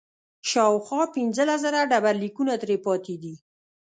شاوخوا پنځلس زره ډبرلیکونه ترې پاتې دي.